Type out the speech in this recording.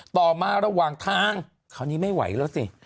ต่อมาระหว่างทางคราวนี้ไม่ไหวแล้วสิ